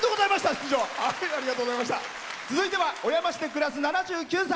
続いては小山市で暮らす７９歳。